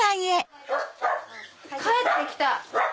帰ってきた？